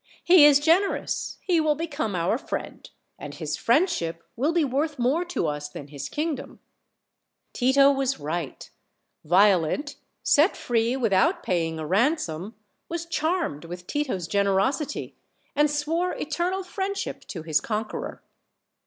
le is generous; he will become our friend, and his friendship will be worth more to us than his kingdom." Tito was right; Violent, set free without paying a ran som, was charmed with Tito's generosity, and swore eter nal friendship to his conqueror.